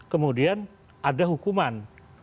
kemudian ada hukuman